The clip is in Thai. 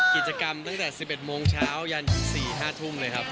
กิจกรรมตั้งแต่๑๑โมงเช้ายัน๔๕ทุ่มเลยครับ